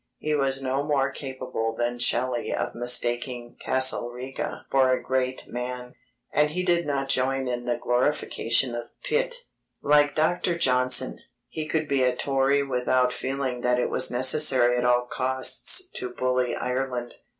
He was no more capable than Shelley of mistaking Castlereagh for a great man, and he did not join in the glorification of Pitt. Like Dr. Johnson, he could be a Tory without feeling that it was necessary at all costs to bully Ireland.